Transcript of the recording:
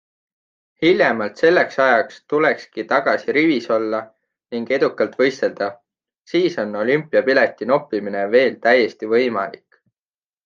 Hiljemalt selleks ajaks tulekski tagasi rivis olla ning edukalt võistelda - siis on olümpiapileti noppimine veel täiesti võimalik.